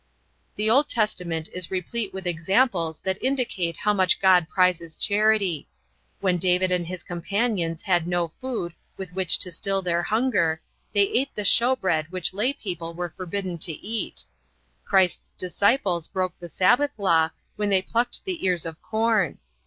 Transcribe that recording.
The Old Testament is replete with examples that indicate how much God prizes charity. When David and his companions had no food with which to still their hunger they ate the showbread which lay people were forbidden to eat. Christ's disciples broke the Sabbath law when they plucked the ears of corn.